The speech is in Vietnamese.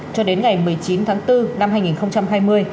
cho đến ngày một mươi chín tháng bốn năm hai nghìn hai mươi